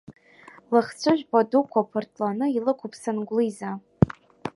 Лыхцәы жәпа дуқәа ԥыртланы илықәыԥсан Гәлиза.